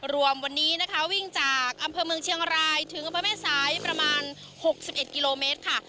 รวมวันนี้นะคะวิ่งจากอำเภอเมืองเชียงรายถึงอำเภอแม่สายประมาณ๖๑กิโลเมตรค่ะ